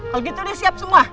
kalo gitu deh siap semua